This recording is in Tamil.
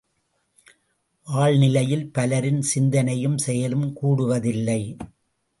வாழ்நிலையில் பலரின் சிந்தனையும் செயலும் கூடுவதில்லை.